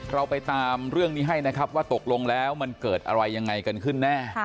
เราไปตามเรื่องนี้ให้นะครับว่าตกลงแล้วมันเกิดอะไรยังไงกันขึ้นแน่